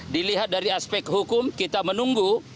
dilihat dari aspek hukum kita menunggu